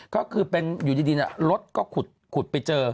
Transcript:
ก็คือเป็นอยู่ดีรถก็ขุดไปเจอ